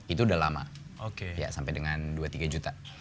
itu udah lama sampai dengan dua tiga juta